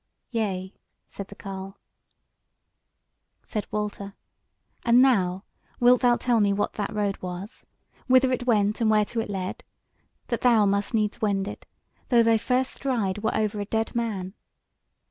"Yea," said the carle. Said Walter: "And now wilt thou tell me what that road was; whither it went and whereto it led, that thou must needs wend it, though thy first stride were over a dead man?"